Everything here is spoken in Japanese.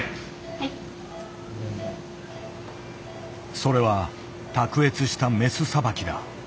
それは卓越したメスさばきだ。